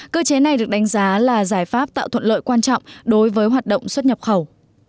cơ chế này được đánh giá là giải pháp tạo thuận lợi quan trọng đối với hoạt động xuất nhập khẩu